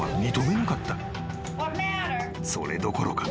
［それどころか］